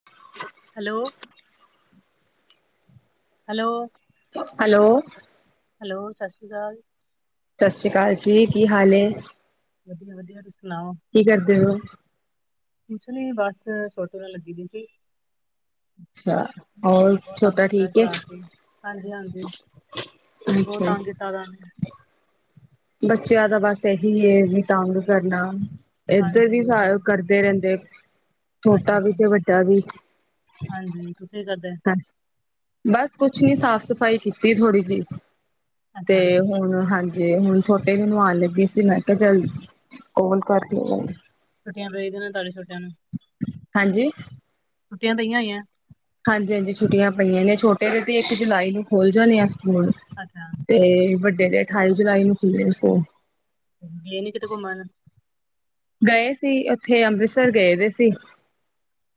[unintelligible] Hello. Hello, hello. Hello, ਸਸ ਰੀ ਕਾਲ। ਸਸ ਰੀ ਕਾਲ ਜੀ, ਕੀ ਹਾਲ ਏ? ਵਧੀਆ-ਵਧੀਆ, ਤੁਸੀਂ ਸੁਣਾਓ। ਕੀ ਕਰਦੇ ਓ? ਕੁਛ ਨੀ ਬਸ, ਛੋਟੂ ਨਾਲ ਲੱਗੀ ਈ ਸੀ। ਅੱਛਾ, ਹੋਰ ਬਹੁਤਾ ਛੋਟਾ ਹੁੰਦਾ ਠੀਕ ਏ? ਸ਼ਰਾਰਤੀ। ਹਾਂਜੀ-ਹਾਂਜੀ, ਬਹੁ ਅੱਛਾ, ਤੰਗ ਕੀਤਾ ਦਾ ਔਨੇ। ਬੱਚਿਆਂ ਦਾ ਬਸ ਏਹੀ ਏ ਵੀ ਤੰਗ ਕਰਨਾ, ਏਧਰ ਵੀ ਹਾਂਜੀ ਉਹ ਸਾਰ ਕਰ ਤੁਸੀਂ ਕਰਦੇ ਰਹਿੰਦੇ ਐ, ਅੱਛਾ ਛੋਟਾ ਵੀ ਅੱਛਾ ਤੇ ਵੱਡਾ ਵੀ। ਹਾਂਜੀ, ਤੁਸੀਂ ਕੀ ਕਰਦੇ ਐ। ਅੱਛਾ, ਬਸ ਕੁਛ ਨੀ ਸਾਫ਼ ਸਫ਼ਾਈ ਕੀਤੀ ਐ ਥੋੜੀ ਜੀ। ਤੇ ਅੱਛਾ ਹੁਣ, ਹਾਂਜੀ ਹੁਣ ਛੋਟੇ ਨੂੰ ਨਵਾਣ ਲੱਗੀ ਸੀ, ਮੈਂ ਕਿਆ ਚਲ ਕੋਲ ਕਰ ਲੀਏ। ਛੁਟੀਆਂ ਪਈ ਗੀਆਂ ਨਾ, ਤਾਡੇ ਛੋਟਿਆਂ ਨੂੰ। ਹਾਂਜੀ। ਛੁੱਟੀਆਂ ਪਈਆਂ ਹੋਈਐਂ। ਹਾਂਜੀ-ਹਾਂਜੀ, ਛੁੱਟੀਆਂ ਪਈਆਂ ਨੇ, ਛੋਟੇ ਦੇ ਤੇ ਇੱਕ ਜੁਲਾਈ ਨੂੰ ਖੁੱਲ ਜਾਣੇ ਆ ਸਕੂਲ। [inaudible] ਤੇ ਵੱਡੇ ਦੇ ਅਠਾਈ ਜੁਲਾਈ ਨੂੰ ਖੁਲਣੇ ਆ ਸਕੂਲ। ਗਏ ਨੀ ਕਿਤੇ ਘੁੰਮਣ? ਗਏ ਸੀ, ਉਥੇ ਅੰਮ੍ਰਿਤਸਰ ਗਏ ਦੇ ਸੀ।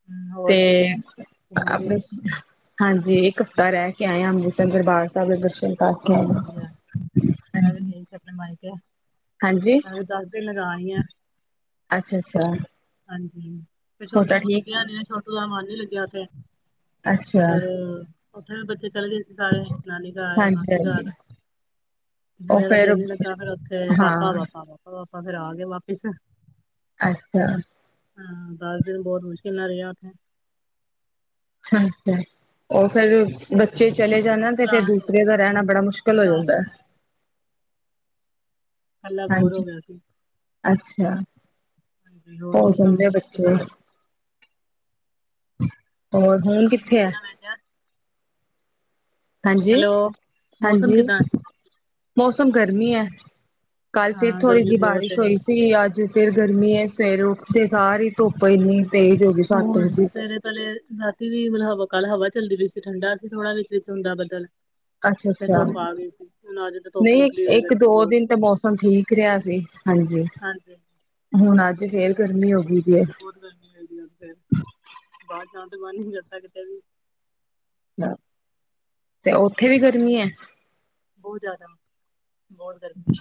ਹਮ, ਹੋਰ ਕਿਤੇ ਤੇ, ਘੁੰਮਣ ਲਈ ਆਪਣੇ ਹਾਂਜੀ, ਇੱਕ ਹਫ਼ਤਾ ਰਹਿ ਕੇ ਆਏ ਆਂ ਅੰਮ੍ਰਿਤਸਰ ਦਰਬਾਰ ਸਾਹੀਬ ਦੇ ਦਰਸ਼ਨ ਕਰਕੇ ਚਲੋ ਆਏ ਵਧੀਆ, ਹਾਂਜੀ ਨਾਲੇ ਆਪਣੇ ਮਨ 'ਚ, ਹਾਂਜੀ ਨਾਲੇ ਦੱਸ। ਤੇ ਲਗਾ ਲਈ ਆ। ਅੱਛਾ, ਅੱਛਾ। ਹਾਂਜੀ। ਤੇ ਛੋਟਾ ਛੋਟੂ ਠੀਕ ਟਿਕਿਆ ਨਹੀ, ਛੋਟੂ ਦਾ ਮਨ ਨੀ ਲੱਗਿਆ ਉਥੇ। ਅੱਛਾ ਫੇਰ, ਉੱਥੇ ਵੀ ਬੱਚੇ ਚਲੇ ਗਏ ਸੀ ਸਾਰੇ, ਨਾਨੀ ਘਰ, ਹਾਂਜੀ ਮਾਸੀ ਹਾਂਜੀ ਘਰ। ਉਹ ਫਿਰ ਫੇਰ ਦਿਲ ਨੀ ਲੱਗਾ ਫੇਰ ਉੱਥੇ, ਹਾਂ ਪਾਪਾ-ਪਾਪਾ ਪਾਪਾ ਪਾਪਾ ਫੇਰ ਆ ਗਏ ਵਾਪਿਸ। ਅੱਛਾ। ਹਾਂ, ਦਸ ਦਿਨ ਬਹੁਤ ਮੁਸ਼ਕਿਲ ਨਾ ਰਿਹਾ ਉੱਥੇ। ਅੱਛਾ-ਅੱਛਾ। ਉਹ ਫੇਰ ਬੱਚੇ ਚਲੇ ਜਾਂਦੇ ਤੇ, ਫੇਰ ਉਦਾਸ ਹੋ ਗਿਆ ਦੂਸਰੇ ਦਾ ਹਾਂ ਰਹਿਣਾ ਬੜਾ ਮੁਸ਼ਕਿਲ ਹੋ ਉਦਾਸ ਜਾਂਦਾ। ਗਿਆ ਕੱਲਾ ਬੋਰ ਹੋ ਹਾਂਜੀ, ਗਿਆ ਸੀ ਅੱਛਾ। ਹਾਂਜੀ ਹੋਰ ਹੋ ਮੌਸਮ ਜਾਂਦੇ ਆ ਬੱਚੇ। ਕਿੱਦਾਂ ਹੋਰ, ਹੁਣ ਮੌਸਮ ਕਿੱਥੇ ਹੈ? ਕਿੱਦਾਂ ਮੈਂ ਕਿਹਾ ਹਾਂਜੀ, ਹੈਲੋ ਮੌਸਮ ਹਾਂਜੀ ਕਿੱਦਾਂ ਮੌਸਮ ਗਰਮੀ ਹੈ। ਕੱਲ ਫਿਰ ਹਾਂ ਥੋੜ੍ਹੀ ਗਰਮੀ ਜਿਹੀ ਬਹੁਤ ਹੈ ਬਾਰਿਸ਼ ਹੋਈ ਸੀ। ਫਿਰ ਅੱਜ, ਫਿਰ ਗਰਮੀ ਐ, ਸਵੇਰੇ ਉੱਠਦੇ ਸਾਰ ਹੀ ਧੁੱਪ ਇੰਨੀ। ਤੇਜ਼ ਹੋ ਗਈ ਸੱਤ ਹੋਣ। ਵਜੇ ਕੱਲ, ਰਾਤੀ ਵੀ ਮਤਲਬ ਹਵਾ ਕਾਲ ਹਵਾ ਚੱਲਦੀ ਪੀ ਸੀ ਠੰਡਾ ਸੀ ਥੋੜਾ ਵਿੱਚ-ਵਿੱਚ ਹੁੰਦਾ ਬੱਦਲ। ਅੱਛਾ- ਫੇਰ ਅੱਛਾ ਧੁੱਪ ਆ ਗਈ ਸੀ ਹੁਣ ਅੱਜ ਤਾਂ ਧੁੱਪ ਨਹੀਂ, ਨਿਕਲੀ ਹੋਈ ਹੈ ਇੱਕ ਗਰਮੀ ਦੋ ਬਹੁਤ ਹੈ। ਦਿਨ ਤਾਂ ਮੌਸਮ ਠੀਕ ਰਿਹਾ ਸੀ ਹਾਂਜੀ, ਹਾਂਜੀ ਹੁਣ ਅੱਜ ਫੇਰ ਗਰਮੀ ਹੋ ਗਈ ਜੇ ਬਹੁਤ ਗਰਮੀ ਹੈਦੀ ਫਿਰ ਬਾਹਰ ਜਾਣ ਤੋਂ ਮਨ ਨੀ ਕਰਦਾ ਕਿਤੇ ਵੀ। ਤੇ ਉੱਥੇ ਹੋਰ ਵੀ ਸੁਣਾਓ ਗਰਮੀ ਹੈ। ਬਹੁਤ ਜ਼ਿਆਦਾ ਬਹੁਤ ਗਰਮੀ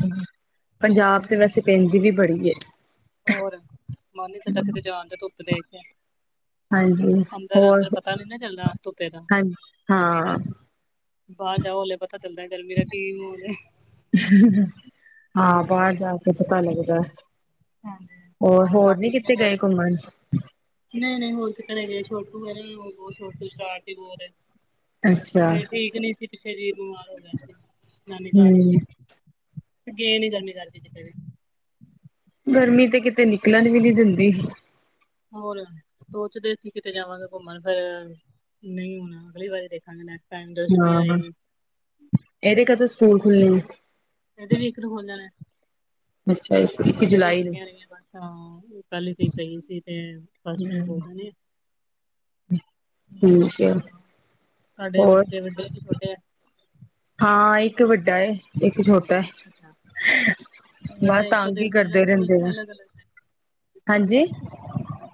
ਪੰਜਾਬ ਤੇ ਹੈ ਵੈਸੇ ਪੈਂਦੀ ਵੀ ਬੜੀ ਏ ਹੋਰ, ਮਨ ਨੀ ਕਰਦਾ ਕਿਤੇ ਜਾਣ ਦਾ, ਧੁੱਪ ਦੇਖ ਕੇ ਹਾਂਜੀ ਅੰਦਰ ਹੋਰ ਅੰਦਰ ਪਤਾ ਨੀ ਨਾ ਚੱਲਦਾ ਧੁੱਪੇ ਦਾ, ਹਾਂਜੀ ਗਰਮੀ ਦਾ ਹਾਂ ਬਾਹਰ ਜਾਓ ਹਲੇ ਪਤਾ ਚੱਲਦਾ ਗਰਮੀ ਦਾ ਕੀ ਹ ਹਾਂ, ਬਾਹਰ ਜਾ ਕੇ ਪਤਾ ਲੱਗਦਾ। ਹਾਂਜੀ ਹੋਰ, ਹੋਰ ਸਭ ਨੀ ਠੀਕ ਨੇ ਕਿਤੇ ਘਰ ਗਏ ਘੁੰਮਣ? ਨਹੀਂ -ਨਹੀਂ ਹੋਰ ਕਿਤੇ ਨਹੀ ਗਏ, ਛੋਟੂ ਹੈ ਨਾ ਬਹੁਤ ਛੋਟੂ ਸ਼ਰਾਰਤੀ ਬਹੁਤ ਅੱਛਾ ਫਿਰ ਠੀਕ ਨਹੀਂ ਸੀ, ਪਿੱਛੇ ਜੀ ਬਿਮਾਰ ਹੋ ਗਿਆ ਸੀ, ਨਾਨੀ ਘਰ ਹਮ ਗਏ ਨੀ ਗਰਮੀ ਕਰਕੇ ਕਿਤੇ ਵੀ। ਗਰਮੀ ਤੇ ਕਿਤੇ ਨਿਕਲਣ ਵੀ ਨੀ ਦਿੰਦੀ ਜਲਦੀ ਹੋਰ, ਸੋਚਦੇ ਸੀ ਕਿਤੇ ਜਾਵਾਂਗੇ ਘੁੰਮਣ ਫਿਰ ਨਹੀਂ, ਹੁਣ ਅਗਲੀ ਵਾਰੀ ਦੇਖਾਂਗੇ ਮੈ [unintelligible] ਇਹਦੇ ਕਤੋਂ ਸਕੂਲ ਖੁੱਲੇ ਨੇ ਇਹਦੇ ਵੀ, ਇੱਕ ਨੂੰ ਖੁੱਲ ਜਾਣਾ। ਅੱਛਾ ਇੱਕ, ਇੱਕ ਜੁਲਾਈ ਨੂੰ ਅੱਛਾ ਪਹਿਲੇ ਤੇ ਗਈ ਸੀ ਤੇ ਸਸ ਮੇਰੀ ਹਮ, ਬੋਲਦੀ ਠੀਕ ਆ, ਤੁਸੀਂ ਸੁਣਾਓ ਤੁਹਾਡੇ ਹੋਰ। ਬੱਚੇ ਵੱਡੇ ਕਿ ਛੋਟੇ ਆ ਹਾਂ ਇੱਕ ਵੱਡਾ ਹੈ ਇੱਕ ਛੋਟਾ ਅੱਛਾ ਹੈ। ਦੋਨਾਂ ਬਸ, ਦੇ ਇੱਕੋ ਤੰਗ ਹੀ ਦਿਨ ਖੁੱਲਣਾ ਕਰਦੇ ਸਕੂਲ ਰਹਿੰਦੇ ਕੀ ਆ, ਅਲੱਗ ਅਲੱਗ ਟਾਈਮ? ਹਾਂਜੀ।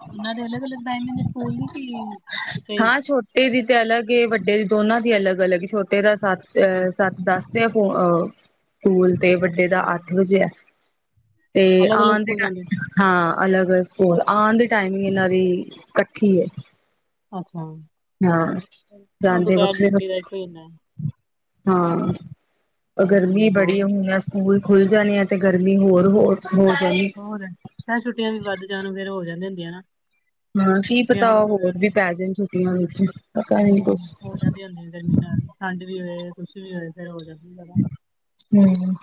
ਉਹਨਾਂ ਦੇ ਅਲੱਗ-ਅਲੱਗ ਟਾਇਮ ਹੋਲੀ ਤੇ ਹਾਂ ਛੋਟੇ ਦੀ ਤੇ ਅਲੱਗ ਏ, ਵੱਡੇ ਦੀ ਦੋਨਾਂ ਦੀ ਅਲੱਗ, ਅਲੱਗ, ਛੋਟੇ ਦਾ ਸਤ ਅੱਛਾ ਅਹ ਸੱਤ ਦਸ ਤੇ ਆ ਫੋ ਸਕੂਲ ਤੇ ਵੱਡੇ ਦਾ ਅੱਛਾ ਅੱਠ ਵਜੇ ਤੇ ਅਲੱਗ ਅਲੱਗ ਆਉਣ ਦੇ ਸਕੂਲ ਜਾਂਦੇ ਹਾਂ ਅਲੱਗ ਹੈ ਸਕੂਲ, ਆਉਣ ਦੀ ਟਾਈਮਿੰਗ ਇਹਨਾਂ ਦੀ ਇਕੱਠੀ ਹੈ ਅੱਛਾ। ਹਾਂ ਉਹ ਜਾਂਦੇ ਦੁਪਹਿਰ ਦੀ ਵਖ਼ਰੇ ਨੇ, ਛੁੱਟੀ ਦਾ ਇੱਕੋ ਹੀ ਹੁੰਦਾ ਹੈ ਹਾਂ ਹਾਂਜੀ ਗਰਮੀ ਹੋਰ ਬੜੀ ਹੋਣੀ ਆ, ਸਕੂਲ ਖੁੱਲ ਜਾਣੇ ਆ ਤੇ ਗਰਮੀ ਹੋਰ ਹੋ ਹੋ ਜਾਣੀ ਹੋਰ, ਸਾਈਦ ਛੁੱਟੀਆਂ ਵੀ ਵੱਧ ਜਾਣ, ਫੇਰ ਹੋ ਜਾਂਦੇ ਹੁੰਦੇ ਆ ਨਾ ਹਾਂ, ਕੀ ਪਤਾ ਹੋਰ ਵੀ ਪੈ ਜਾਣ, ਛੁੱਟੀਆਂ ਵਿੱਚ ਹੂ, ਪਤਾ ਨੀ ਕੁਛ। ਹੋ ਜਾਂਦੀਆਂ ਹੁੰਦੀਆਂ ਗਰਮੀ ਨਾਲ ਠੰਡ ਵੀ ਹੋਏ ਕੁਛ ਵੀ ਹੋਏ, ਫੇਰ ਹੋ ਜਾਂਦਾ ਜ਼ਰਾ ਹੂੰ।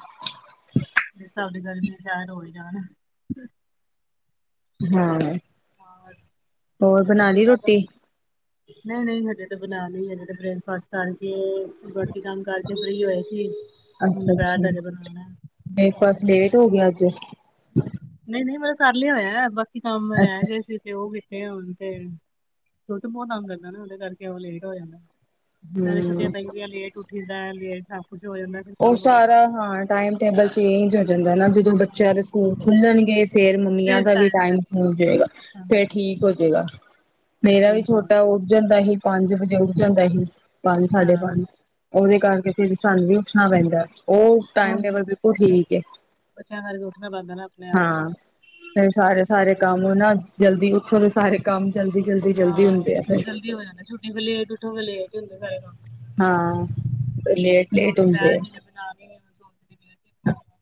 ਤੇ ਸਾਡੇ ਘਾਰ ਵੀ, ਸ਼ਾਇਦ ਹੋ ਈ ਜਾਣ ਹਾਂ, ਹਾਂ ਹੋਰ ਬਣਾ ਠੀਕ ਹੈ ਲੀ ਸਭ ਰੋਟੀ [unintelligible] ਨਹੀਂ ਨਹੀਂ ਹਜੇ ਤੇ ਬਣਾਨੀ, ਹਜੇ ਤੇ ਬ੍ਰੇਕਫਾਸਟ ਕਰਕੇ ਬਾਕੀ ਕੰਮ ਕਰਕੇ, ਫ੍ਰੀ ਹੋਏ ਸੀ ਹੁਣ ਅੱਛਾ ਦੁਪਹਿਰ ਅੱਛਾ, ਦਾ ਹਜੇ ਬਣਾਉਣਾ ਬ੍ਰੇਕਫਾਸਟ ਲੇਟ ਹੋ ਗਿਆ ਅੱਜ ਨਹੀਂ ਨਹੀਂ ਮੈਂ ਕਰ ਲਿਆ ਹੋਇਆ, ਬਾਕੀ ਕੰਮ ਰਹਿ ਅੱਛਾ ਗਏ ਸੀ ਤੇ ਓਹ ਸੁਤੇ ਹੋਣ ਤੇ ਫੇਰ, ਛੇਟੂ ਬਹੁਤ ਤੱਗ ਕਰਦੈ ਨਾ, ਉਹਦੇ ਕਰਕੇ ਓਹ ਲੇਟ ਹੋ ਜਾਂਦੈ। ਨਾਲੇ ਛੁੱਟੀਆਂ ਹੂੰ। ਪੈਂਦੀਆਂ, ਲੇਟ ਉੱਠੀ ਦਾ ਐ, ਲੇਟ ਸਭ ਕੁੱਛ ਹੋ ਜਾਂਦਾ। ਫਿਰ ਉਹ ਕੰਮ ਸਾਰਾ ਵਗੈਰਾ ਹਾਂ ਟਾਈਮ ਟੇਬਲ ਚੇਂਜ ਹੋ ਜਾਂਦਾ ਨਾ, ਜਦੋਂ ਬੱਚਿਆਂ ਦੇ ਸਕੂਲ ਖੁੱਲਣਗੇ ਫੇਰ ਮੰਮੀਆਂ ਫਿਰ ਦਾ ਵੀ ਟਾਈਮ ਸਿਰ ਹੋ ਜਾਏਗਾ, ਹਾਂ ਫੇਰ ਠੀਕ ਹੋਜੇਗਾ ਮੇਰਾ ਵੀ ਕੰਫਿਊਜ਼ ਹੋਏਗਾ ਛੋਟਾ ਉੱਠ ਜਾਂਦਾ ਸੀ, ਪੰਜ ਵਜੇ ਉੱਠ ਜਾਂਦਾ ਸੀ, ਪੰਜ ਸਾਢੇ ਹਾਂ ਪੰਜ ਉਹਦੇ ਕਰਕੇ ਫਿਰ ਸਾਨੂੰ ਵੀ ਉੱਠਣਾ ਪੈਂਦਾ, ਉਹ ਹੋਰ ਟਾਈਮ ਕੀ ਟੇਬਲ ਬਿਲਕੁਲ ਠੀਕ ਏ, ਬੱਚਿਆਂ ਕਰਕੇ ਉੱਠਣਾ ਪੈਂਦਾ ਨਾ ਆਪਣੇ ਆਪ ਨੂੰ ਵੀ ਹਾਂ। ਨਹੀਂ ਸਾਰੇ ਸਾਰੇ ਮੇਰੀ ਕੰਮ ਔ ਨਾ, ਛੋਟੂ ਜਲਦੀ ਉੱਠਨ ਦੇ ਸਾਰੇ ਕੰਮ ਜਲਦੀ ਜਲਦੀ ਜਲਦੀ ਹਾਂ ਹੁੰਦੇ ਆ ਫੇਰ ਫਿਰ ਜਲਦੀ ਹੋ ਜਾਂਣਾ, ਛੁੱਟੀ ਫੇਰ ਲੇਟ ਉੱਠੋ, ਫੇਰ ਲੇਟ ਹੀ ਹੁੰਦੇ ਸਾਰੇ ਕਮ ਹਾਂ ਲੇਟ ਲੇਟ ਦ ਹੁੰਦੇ ਦਪਹਿਰ ਆ ਜੇ ਬਣਾਗੀ ਐ, ਹੁਣ ਸੋਚਦੀ ਪਈ ਆਂ, ਕਿ ਬਣਾਵਾਂ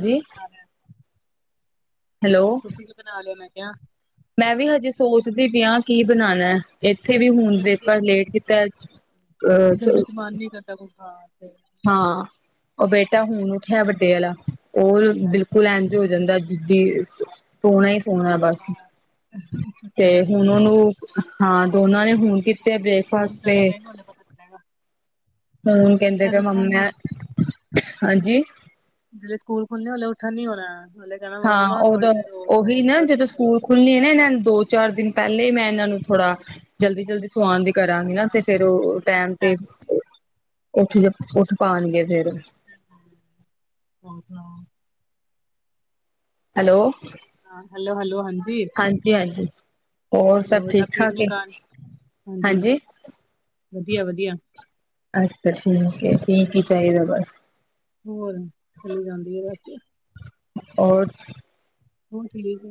ਤੁਸੀਂ ਕੀ ਬਣਾ ਲਿਆ ਹੈਲੋ ਛਿਟ ਬਣਾ ਲੋ, ਮੈਂ ਕਿਹਾ ਮੈਂ ਵੀ ਹਜੇ ਸੋਚਦੀ ਪਿਆ, ਕੀ ਬਣਾਉਣਾ, ਇੱਥੇ ਵੀ ਹੁਣ ਇੱਕ ਤੇ ਦੇਖਾਂ ਲੇਟ ਤੇ ਗਰਮੀ ਚ ਮਨ ਨੀ ਕਰਦਾ, ਕੁਛ ਖਾਣ ਤੇ। ਹਾਂ ਉਹ ਬੇਟਾ ਹੁਣ ਉਠਿਆ ਵੱਡੇ ਆਲਾ, ਉਹ ਅੱਛਾ ਬਿਲਕੁਲ ਐਨ ਜੋ ਹੋ ਜਾਂਦਾ ਹੈ ਜਿੱਦੀ ਸੋਣਾ ਹੀ ਸੋਣਾ ਬਸ, ਹਾਂ ਤੇ ਛੁੱਟੀਆਂ ਕਰਕੇ ਹੁਣ ਹੋਇਆ ਉਹਨੂੰ, ਹਾਂ ਦੋਨਾਂ ਨੇ ਹੁਣ ਕੀ ਸਕੂਲ ਜਾਣਾ ਪਏਗਾ, ਉਦੋ ਪਤਾ ਚਲੇਗਾ ਤਾਂ ਹੁਣ ਕਹਿੰਦੇ ਪਏ, ਮੰਮਾ ਮੈਂ, ਹਾਂਜੀ ਜ਼ਿਲ੍ਹੇ ਸਕੂਲ ਖੁੱਲ੍ਹਣੇ, ਉੱਠਣ ਨੀ ਹੋਣਾ ਉਹਲੇ ਕਹਿਣਾ ਹਾਂ, ਮੰਮਾ ਥੋੜੀ ਉਦੋਂ ਦੇਰ ਹੋਰ ਸੋ ਉਹੀ ਥੋੜੀ ਨਾ ਜਦੋਂ ਦੇਰ ਸਕੂਲ ਹੋਰ ਸੋ ਖੁੱਲਣੇ, ਏਨਾ ਹੋਰ ਇਹਨਾਂ ਨੇ ਦੋ ਚਾਰ ਦਿਨ ਪਹਿਲੇ ਹੀ ਮੈਂ ਇਹਨਾਂ ਨੂੰ ਥੋੜਾ, ਜਲਦੀ ਜਲਦੀ ਸਵਾੜ ਦੀ ਕਰਾਂਗੇ ਨਾ, ਤੇ ਫੇਰ ਉਹ ਟੈਮ ਤੇ ਉੱਠ ਉੱਠ ਪਾਉਣਗੇ ਫੇਰ। ਹੋਰ ਸੁਣਾਓ ਹੈਲੋ ਹਾਂ, ਹੈਲੋ ਹੈਲੋ ਹਾਂਜੀ ਹਾਂਜੀ ਹਾਂਜੀ, ਹੋਰ ਸਭ ਠੀਕ ਠਾਕ ਏ ਹਾਂਜੀ ਵਧੀਆ ਵਧੀਆ ਅੱਛਾ ਠੀਕ ਹੈ, ਠੀਕ ਹੀ ਹਾਂਜੀ ਚਾਹੀਦਾ ਬਸ। ਹੋਰ ਚਲੀ ਜਾਂਦੀ ਹੈ ਬਸ ਔਰ। ਹੁਣ ਠੀਕ ਹੈ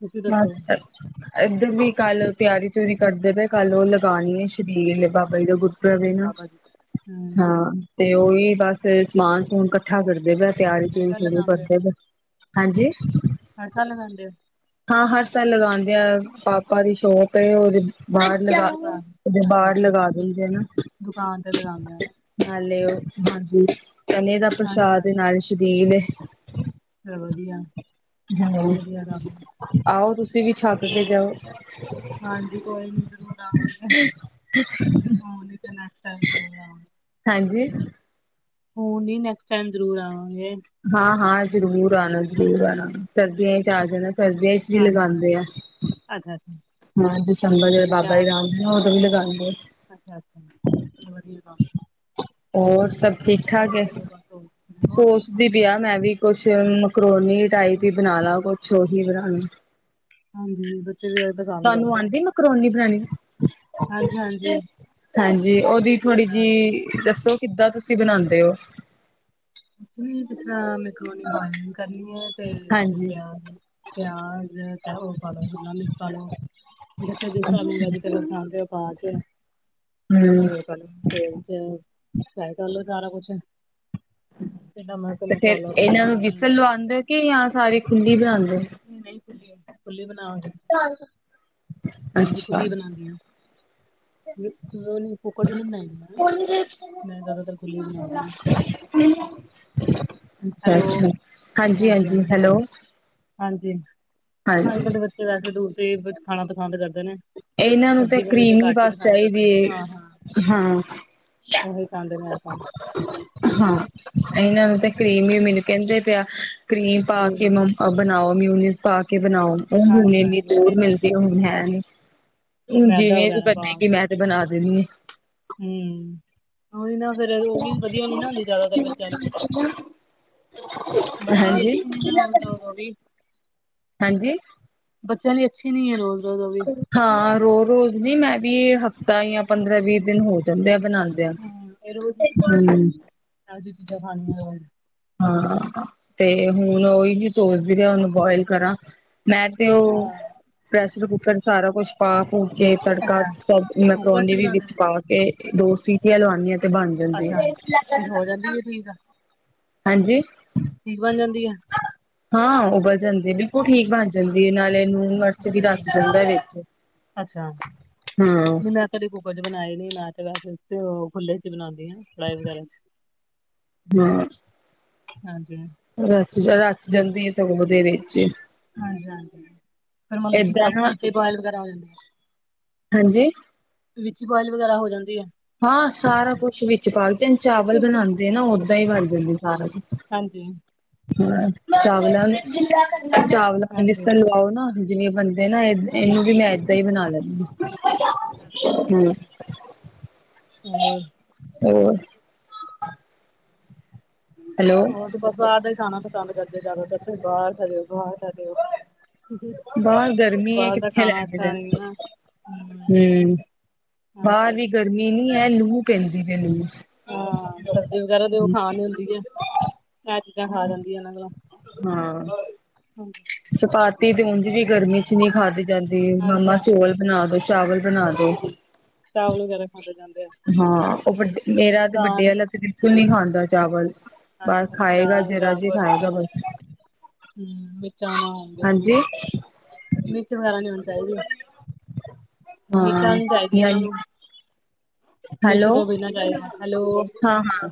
ਤੁਸੀਂ ਦੱਸੋ [unintelligible] ਇੱਧਰ ਵੀ ਕੱਲ ਤਿਆਰੀ ਤਿਉਰੀ ਕਰਦੇ ਪਏ ਕੱਲ ਉਹ ਲਗਾਣੀ ਹੈ ਸ਼ਬੀਲ। ਬਾਬਾ ਜੀ ਦਾ ਅੱਛਾ ਗੁਰਪੁਰਬ ਹੈ ਅੱਛਾ, ਨਾ ਬਾਬਾ ਜੀ ਹੂੰ ਹਾਂ। ਤੇ ਉਹੀ ਬਸ ਸਮਾਨ ਸਮੂਨ ਇਕੱਠਾ ਕਰਦੇ ਪਏ ਤਿਆਰੀ ਹਰ ਤਿਉਰੀ ਸਾਲ ਸ਼ੁਰੂ ਲਗਾਉਂਦੇ ਹੋ ਕਰਦੇ ਪਏ। ਹਾਂਜੀ। ਹਰ ਸਾਲ ਲਗਾਉਂਦੇ ਹੋ। ਹਾਂ ਹਰ ਸਾਲ ਲਗਾਂਦੇ ਆ ਪਾਪਾ ਦੀ ਸ਼ੋਪ ਹੈ ਉਹਦੇ ਬਾਹਰ ਅੱਛਾ ਦੁਕਾਨ ਲਗਾ ਅੱਛਾ ਬਾਹਰ ਅੱਛਾ ਲਗਾ ਦਿੰਦੇ ਹਨ ਨਾ। ਦੁਕਾਨ ਤੇ ਲਗਾਉਂਦੇ ਹੋ ਨਾ ਨਾਲੇ ਔ ਹਾਂਜੀ ਚਨੇ ਦਾ ਹਾਂਜੀ ਪ੍ਰਸ਼ਾਦ ਏ, ਨਾਲੇ ਹਾਂਜੀ ਸ਼ਬੀਲ ਏ। ਚਲੋ ਵਧੀਆ। ਹੈਲੋ, ਵਧੀਆ ਕੰਮ ਆਓ ਤੁਸੀਂ ਵੀ ਛੱਤ ਤੇ ਜਾਓ। ਹਾਂਜੀ ਕੋਈ ਨੀ ਜਰੂਰ ਆਵਾਂਗੇ ਰੂਣ ਨਹੀਂ ਤਾਂ ਟੈਕਸਟ ਟਾਇਮ ਜ਼ਰੂਰ ਆਵਾਂਗੇ। ਹਾਂਜੀ। ਹੁਣ ਨੀ ਨੈਕਸਟ ਟਾਈਮ ਜਰੂਰ ਆਵਾਂਗੇ। ਹਾਂ ਹਾਂ ਜ਼ਰੂਰ ਆਉਣਾ ਜ਼ਰੂਰ ਹਾਂਜੀ ਹਾਂਜੀ। ਆਣਾ ਸਰਦੀਆਂ ਚਾਰ ਜਾਣਾ ਸਰਦੀਆਂ ਚ ਵੀ ਹਾਂਜੀ, ਲਗਾਂਦੇ ਆ। ਹਾਂਜੀ, ਅੱਛਾ, ਅੱਛਾ। ਹਾਂ ਦਸੰਬਰ ਜਦ ਬਾਬਾ ਜੀ [unintelligible] ਦੇ ਨਾ ਉਦੋਂ ਵੀ ਲਗਾਉਂਦੇ। ਅੱਛਾ ਅੱਛਾ [unintelligible] ਹੋਰ ਸਭ ਠੀਕ ਠਾਕ ਸੇਵਾ ਐ ਕਰੋ ਬਸ ਹੋਰ ਠੀਕ ਸੋਚਦੀ ਵਧੀਆ ਪਈ ਆ ਹੁੰਦੇ। ਮੈਂ ਵੀ ਕੁਛ ਮਕਰੋਨੀ ਟਾਈਪ ਹੀ ਬਣਾ ਲਾ ਕੁਛ ਓਹੀ ਬਣਾਉਣਾ। ਹਾਂਜੀ ਬੱਚੇ ਵੀ ਏਹੀ ਪਸੰਦ ਕਰਦੇ ਆ। ਕਰੋਨੀ ਫਰਾਣੀ ਹਾਂਜੀ ਹਾਂਜੀ ਹਾਂਜੀ ਉਹਦੀ ਥੋੜੀ ਨਾ ਨਾ ਜਿਹੀ ਦੱਸੋ ਕਿੱਦਾਂ ਤੁਸੀਂ ਬਣਾਉਂਦੇ ਹੋ। ਮੈਕਰੋਨੀ ਬੋਇਲਿੰਗ ਕਰਨੀ ਹੈ। ਤੇ ਫਿਰ ਹਾਂਜੀ ਪਿਆਜ ਪਿਆਜ ਤੇ ਉਹ ਪਾ ਲੋ ਸ਼ਿਮਲਾ ਮਿਰਚ ਪਾਲੋ ਅੱਛਾ [unintelligible] ਪਾ 'ਚ ਤੇਲ, ਹੂੰ। ਤੇਲ 'ਚ ਫਰਾਈ ਕਰ ਲੋ ਸਾਰਾ ਕੁਛ। ਤੇ ਨਮਕ ਤੇ ਫੇਰ ਮਸਾਲਾ ਆਪਣੇ ਇਹਨਾਂ ਨੂੰ ਹਿਸਾਬ ਨਾਲ ਵਿਸਲ ਲਵਾਉਂਦੇ ਕਿ ਜਾਂ ਸਾਰੀ ਖੁੱਲੀ ਬਣਾਉਂਦੇ ਨਹੀਂ ਨਹੀਂ ਖੁਲੀ ਬਣਾਉਗੇ। [unintelligible] ਹਾਂਜੀ ਅੱਛਾ ਖੁੱਲੀ ਬਣਾਉਂਦੀ ਆ। ਮੈਕਰੋਨੀ ਕੁਕਰ ਚ ਨੀ ਬਣਾਈਦੀ ਮੈਂ ਜ਼ਿਆਦਾਤਰ ਖੁਲੀ ਬਨਾਨੀ ਆ ਅੱਛਾ ਹੈਲੋ ਅੱਛਾ ਹਾਂਜੀ ਹਾਂਜੀ ਹੈਲੋ। ਹਾਂਜੀ ਅੱਜ ਹਾਂਜੀ ਕੱਲ੍ਹ ਦੇ ਬੱਚੇ ਵੈਸੇ ਦੂਸਰੇ ਵਿੱਚ ਖਾਣਾ ਪਸੰਦ ਕਰਦੇ ਨੇ। ਇਹਨਾਂ ਨੂੰ ਤਾਂ ਸਬਜ਼ੀ ਵਾਲੇ ਤੇ ਕਰੀਮੀ ਘੱਟ ਹੀ ਬਸ ਪਸੰਦ ਕਰਦੇ ਚਾਹੀਦੀ ਨੇ। ਹਾਂ ਹਾਂ ਹੈ ਹਾਂ ਉਹੀ ਖਾਂਦੇ ਨੇ ਅੱਜ ਕੱਲ੍ਹ। ਹਾਂ ਇਹਨਾਂ ਨੂੰ ਤਾਂ ਕਰੀਮ ਵੀ ਮਿਲ ਕਹਿੰਦੇ ਪਿਆ ਕਰੀਮ ਪਾ ਕੇ ਬਣਾਓ ਮੀਨਉਸ ਪਾ ਕੇ ਬਣਾਓ ਉਹ ਹੁਣ ਹਾਂਜੀ ਇੰਨੀ ਹਾਂਜੀ ਦੂਰ ਉਹੀ ਬਸ ਮਿਲਦੀ ਹੁਣ ਹੈ ਨੀ। ਮੈਦਾ ਜਿਵੇਂ ਇਹ ਵਗੈਰਾ ਕਰੀ ਕਿ ਮੈਂ ਤੇ ਬਣਾ ਦੇਣੀਦੀ ਹੈ। ਹੁੰ ਉਹੀ ਨਾ ਫ਼ਿਰ ਉਹ ਵੀ ਵਧੀਆ ਨੀ ਨਾ ਹੁੰਦੀ ਜ਼ਿਆਦਾਤਰ ਬੱਚਿਆਂ ਲਈ। [unintelligible] ਬੱਚਿਆ ਲਈ ਹਾਂਜੀ। ਅਛੀ ਨੀ ਓ ਵੀ। ਹਾਂਜੀ। ਬੱਚਿਆਂ ਲਈ ਅੱਛੀ ਨਹੀਂ ਹੈ ਰੋਜ਼ ਰਜ਼ ਉਹ ਵੀ। ਹਾਂ ਰੋ ਰੋਜ਼ ਨੀ ਮੈਂ ਵੀ ਹਫ਼ਤਾ ਜਾਂ ਪੰਦਰਾਂ ਵੀਹ ਦਿਨ ਹੋ ਜਾਂਦੇ ਆ ਬਣਾਣ। [unintelligible] ਹਾਂ ਤੇ ਹੁਣ ਉਹੀ ਸੋਚਦੀ ਪਈ ਆ ਹੁਣ ਮੈ ਉਹਨੂੰ ਬੋਇਲ ਕਰਾਂ ਮੈ ਤੇ ਓ ਪ੍ਰੈਸ਼ਰ ਕੁੱਕਰ ਸਾਰਾ ਕੁਛ ਪਾ ਪੁ ਕੇ ਤੜਕਾ ਅੱਛਾ ਸਭ ਕੁੱਕਰ ਚ ਮੈਕਰੋਨੀ ਵੀ ਬਣਾਉਂਦੇ ਵਿੱਚ ਨੇ ਪਾ ਇਹ ਦੋ ਸੀਟੀਆਂ ਲਵਾਨੇ ਆ ਤੇ ਬਣ ਜਾਂਦੇ। ਕਹਿੰਦੀ ਠੀਕ ਆ। ਹਾਂਜੀ। ਠੀਕ ਬਣ ਜਾਂਦੀ ਆ। ਹਾਂ ਉਬਲ ਜਾਂਦੀ ਬਿਲਕੁਲ ਠੀਕ ਬਨ ਜਾਂਦੀ। ਨਾਲ ਇਹਨੂੰ ਮਰਚ ਵੀ ਅੱਛਾ ਅੱਛਾ ਰਚ ਜਾਂਦਾ ਵਿੱਚ। ਅੱਛਾ ਹੂੰ ਨਹੀਂ ਮੈਂ ਕਦੇ ਕੁੱਕਰ ਚ ਬਣਾਏ ਨੀ। ਮੈ ਤੇ ਵਸ ਖੁੱਲੇ ਚ ਬਨਾਨੀ ਹਾਂ ਕੜਾਈ ਵਗੈਰਾ ਚ' ਹਾਂ। ਹਾਂਜੀ। ਰਚ ਰਚ ਜਾਂਦੀ ਆ। ਸਗੋਂ ਓਦੇ ਵਿਚ ਹਾਂਜੀ - ਹਾਂਜੀ। ਫਿਰ ਮਤਲਬ ਕਿ ਏਦਾਂ ਸਭ ਨਾ ਵਿੱਚ ਬੁਆਇਲ ਵਗੈਰਾ ਹੋ ਜਾਂਦੇ ਆਂ। ਹਾਂਜੀ ਵਿੱਚ ਬੋਇਲ ਵਗੈਰਾ ਹੋ ਜਾਂਦੀ ਹੈ। ਹਾਂ ਸਾਰਾ ਕੁਛ ਵਿੱਚ ਪਾਕੇ ਜ ਚਾਵਲ ਬਣਾਉਂਦੇ ਆ ਨਾ। ਓਦਾਂ ਹੀ ਵੱਜ ਜਾਂਦੇ ਸਾਰਾ ਕੁ ਹਾਂਜੀ। ਹ ਚਾਵਲਾਂ ਚਾਵਲਾਂ ਹਾਂਜੀ ਬੇਸਣ ਲਵਾਓ ਨਾ। ਜਿਵੇਂ ਬਣਦੇ ਨਾ। ਇਹਨੂੰ ਵੀ ਮੈਂ ਏਦਾਂ ਹੀ ਬਨਾ ਲੈਂਦੀ ਆ। ਹਮ ਹੋਰ। ਹੋਰ। ਹੈਲੋ ਹੋਰ ਤੇ ਬਸ ਬਾਹਰ ਦਾ ਖਾਣਾ ਪਸੰਦ ਕਰਦੇ। ਦਾਸੀਂ ਬਾਹਰ ਜਾ ਜਾਓ -ਬਾਹਰ ਜਾਓ। ਬਾਹਰ ਗਰਮੀ ਹੈ ਬਾਹਰ ਦਾ ਕਿੱਥੇ ਲੈ ਖਾਣਾ ਕੇ ਅੱਛਾ ਨਹੀਂ ਜਾਣਾ ਨਾ। ਹੂੰ ਬਾਹਰ ਵੀ ਗਰਮੀ ਨਹੀਂ। ਹੈ ਲੂ ਪੈਂਦੀ ਹੈ ਮੈਨੂੰ ਹਾਂ ਸਬਜ਼ੀ ਵਗੈਰਾ ਤੇ ਉਹ ਖਾ ਨੀ ਹੁੰਦੀ ਆ। ਇਹਰ ਚੀਜ਼ਾਂ ਖਾ ਜਾਂਦੀਆਂ ਇਹਨਾਂ ਕੋਲੋਂ। ਹਾਂ। ਹਾਂਜੀ। ਚਪਾਤੀ ਦੀ ਉੂੰਜ ਵੀ ਗਰਮੀ ਚ ਨ ਖਾਧੀ ਜਾਂਦੀ। ਹਾਂਜੀ ਮਾਮਾ ਹਾਂ ਚੋਲ ਬਣਾ ਦਿਓ ਚਾਵਲ ਬਣਾ ਦਿਓ ਹੀ। ਚਾਵਲ ਵਗੈਰਾ ਖਾਂਦੇ ਜਾਂਦੇ ਆ। ਹਾਂ ਉਹ ਵੱਡੇ ਮੇਰਾ ਤੇ ਵੱਡੇ ਦਾਲ ਵਾਲਾ ਤੇ ਬਿਲਕੁਲ ਨਹੀਂ। ਖਾਂਦਾ ਚਾਵਲ ਬਸ ਹਾਂਜੀ ਖਾਏਗਾ। ਦਾਲ ਜਰਾ ਜੀ ਚਾਵਲ ਖਾਏਗਾ ਬਸ ਹਮ ਮਿਰਚਾਂ ਨਾ ਹੋਨ ਹਾਂਜੀ [unintelligible] ਮਿਰਚ ਵਗੈਰਾ ਨੀ ਹੋਣੀ ਚਾਹੀਦੀ। [unintelligible] ਹੋਨੀ ਹਾਂ ਚਾਹੀਦੀਆਂ ਇਹਨਾਂ ਯਾਨੀ ਨੂੰ ਮਿਰਚ ਹੈਲੋ ਤੋਂ ਬਨਾਂ ਚਦਾ ਹੈਲੋ। ਹਾਂ ਹਾਂ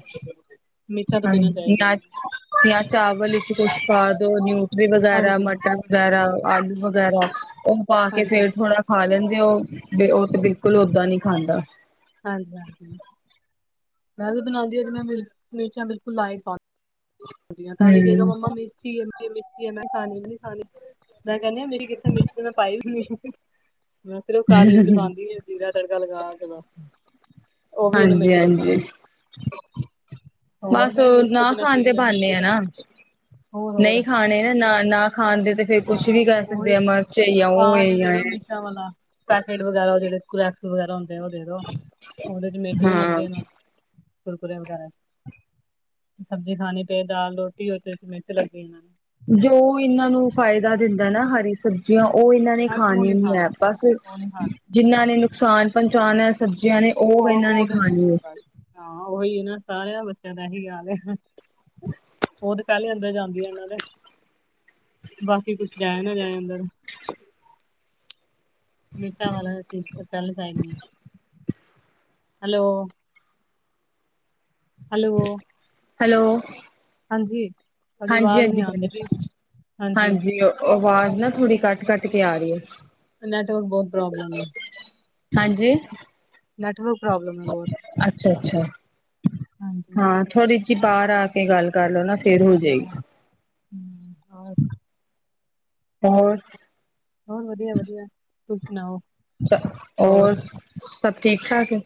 ਮਿਰਚਾਂ ਤੋਂ ਬਿਨਾਂ ਹਾਂਜੀ। ਚਾਹੀਦੀ ਜਾਂ ਇਹਨਾਂ ਨੂੰ - ਜਾਂ ਚਾਵਲ ਵਿੱਚ ਕੁਛ ਖਾ ਦੋ ਨਿਊਟਰੀ ਵਗੈਰਾ ਹਾਂਜੀ, ਮਟਰ ਵਗੈਰਾ ਆਲੂ ਵਗੈਰਾ। ਉਹ ਪਾ ਕੇ ਹਾਂਜੀ, ਫੇਰ ਥੋੜਾ ਖਾ ਲੈਂਦੇ ਹੋ। 'ਤੇ ਉਹ 'ਤੇ ਬਿਲਕੁਲ ਓਦਾਂ ਨੀ ਖਾਂਦਾ। ਹਾਂਜੀ - ਹਾਂਜੀ। ਮੈਂ ਵੀ ਬਣਾਉਂਦੀ ਹ। ਮੈਂ ਮਿਰਚਾਂ ਬਿਲਕੁਲ ਲਾਈ ਤਾਂ ਵੀ ਕ ਹਮ ਮੰਮਾ ਮਿੱਠੀ ਹੈ ਮਠੀਏ। ਮੈਂ ਖਾਣੀ ਵੀ ਨੀ ਖਾਣੀ ਮੈਂ ਕਹਿੰਦੀ ਮੇਰੀ। ਕਿਸੇ ਮਿੱਟੀ ਮੈਂ ਪਾਈ ਵੀ ਨੀ। ਮੈਂ ਫਿਰ ਕਾਲੀ 'ਚ ਪਾਂਦੀ ਏ। ਗਾ ਤੜਕਾ ਲਗਾ ਕਿਲ। ਹਾਂਜੀ - ਹਾਂਜੀ। ਹੋਰ ਬਸ ਕਿਹੜੀ ਉਹ ਮਿਰਚ ਤੋਂ ਨਾ ਖਾਣ। ਤੇ ਪਾਉਦੇ ਆ ਨਾ। ਹੋ। ਨਹੀਂ ਖਾਣੇ ਨਾ ਨਾ ਨਾ ਖਾਨਦੇ। ਤੇ ਫੇਰ ਹਾਂ ਕੁਛ ਹਾਂ ਵੀ ਕਰ ਸਕਦੇ ਆ। ਮਰਚ ਯਾ ਉਹ ਹੈ ਯਾ। ਪੈਕਕੇਟ ਵਗੈਰਾ। ਜਿਹੜੇ ਕੈਕਸ ਵਗੈਰਾ। ਹਾਂ [unintelligible] ਚ ਸਬਜ਼ੀ ਖਾਣੀ ਪਏ ਦਾਲ ਰੋਟੀ ਉਹਦੇ ਵਿੱਚ ਮਿਰਚ ਲੱਗੇ ਨਾਂ। ਜੋ ਇਹਨਾਂ ਨੂੰ ਫਾਇਦਾ ਦਿੰਦਾ ਨਾ ਹਰੀ ਸਬ। ਜਿ ਉਹ ਇਹਨਾਂ ਨੇ ਹਾਂ ਉਹ ਖਾਣੇ ਨਹੀਂ ਵੀ ਖਾਂਦੇ ਹੈ ਬਸ। ਉਹ ਨਹੀਂ ਖਾਂਦੇ ਜਿੰਨਾਂ ਨੇ ਨੁਕਸਾਨ ਪਹੁੰਚਾਣਾ ਸਬਜ਼ੀਆਂ ਨੇ ਉਹ ਇਹਨਾਂ ਨੇ ਦੇ ਦੋ ਇਹਨਾਂ ਖਾਣੀ ਹੈ। ਨੂੰ ਬਸ ਹਾਂ ਉਹੀ ਹੈ ਨਾ, ਸਾਰਿਆਂ ਬੱਚਿਆਂ ਦਾ ਇਹੀ ਹਾਲ ਏ ਉਹ ਤੇ ਪਹਿਲੇ ਅੰਦਰ ਜਾਂਦੀ ਆ ਇਹਨਾਂ ਦੇ। ਬਾਕੀ ਕੁੱਛ ਜਾਏ ਨਾ ਜਾਏ ਅੰਦਰ ਮੀਟਾਂ ਵਾਲਾਸੀ ਪਹਿਲੇ ਚਾਹੀਦੇ ਆ। Hello hello! ਹੈਲੋ, ਹਾਂਜੀ ਤੁਹਾਡੀ ਆਵਾਜ਼ ਨਹੀਂ ਹਾਂਜੀ-ਹਾਂਜੀ ਆਉਂਦੀ ਬੋਲੋ, ਪਈ ਹਾਂਜੀ ਆਵਾਜ਼ ਨਾ, ਥੋੜ੍ਹੀ ਕੱਟ -ਕੱਟ ਕੇ ਆ ਰਹੀ ਹੈ ਨੈਟਵਰਕ ਬਹੁਤ ਪ੍ਰੋਬਲਮ ਹਾਂਜੀ ਨੈਟਵਰਕ ਪ੍ਰੋਬਲਮ। ਹੈ ਬਹੁਤ ਅੱਛਾ-ਅੱਛਾ, ਹਾਂਜੀ ਹਾਂ ਥੋੜੀ ਜਿਹੀ ਬਾਹਰ ਆ ਕੇ ਗੱਲ ਕਰ ਲਓ ਨਾ ਫੇਰ ਹਾਂ ਹੋ ਹਾਂ ਜਾਏਗੀ ਹਮ ਆ [unintelligible] ਹੋਰ ਹੋਰ ਵਧੀਆ ਵਧੀਆ, ਤੁਸੀ ਸੁਣਾਓ ਚੱਲ, ਹੋਰ ਸਭ ਠੀਕ ਠਾਕ ਹੈ।